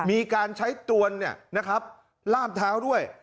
มีการใช้ตัวนี่นะครับลามเท้าด้วย